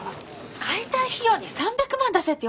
解体費用に３００万出せって言われたんだけど！